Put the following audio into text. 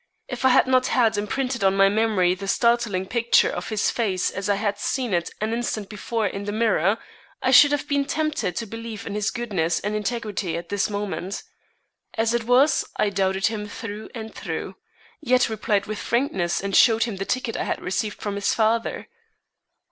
If I had not had imprinted on my memory the startling picture of his face as I had seen it an instant before in the mirror, I should have been tempted to believe in his goodness and integrity at this moment. As it was, I doubted him through and through, yet replied with frankness and showed him the ticket I had received from his father.